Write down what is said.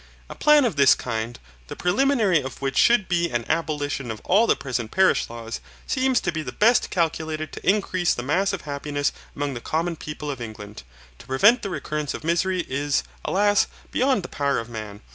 A plan of this kind, the preliminary of which should be an abolition of all the present parish laws, seems to be the best calculated to increase the mass of happiness among the common people of England. To prevent the recurrence of misery, is, alas! beyond the power of man.